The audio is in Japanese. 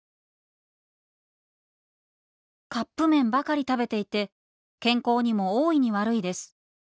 「カップ麺ばかり食べていて健康にも大いに悪いです。